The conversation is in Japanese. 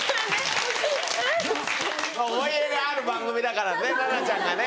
思い入れがある番組だから奈々ちゃんがね。